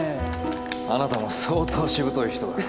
あなたも相当しぶとい人だな。